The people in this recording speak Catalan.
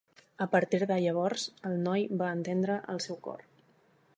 A partir de llavors, el noi va entendre el seu cor.